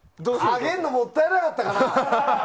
あげんのもったいなかったかな？